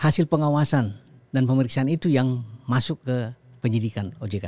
hasil pengawasan dan pemeriksaan itu yang masuk ke penyidikan ojk